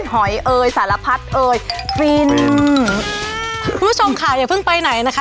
หอยเอ่ยสารพัดเอ่ยฟินคุณผู้ชมค่ะอย่าเพิ่งไปไหนนะคะ